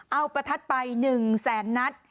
เอาประทัดไป๑แสนนัด